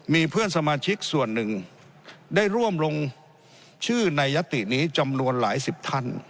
มีเพื่อนสมาชิกส่วนหนึ่งได้ร่วมลงชื่อในยตินี้จำนวนหลายสิบท่าน